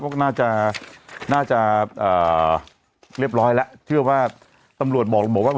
ว่าน่าจะน่าจะเอ่อเรียบร้อยแล้วเชื่อว่าตำลวจบอกบอกว่า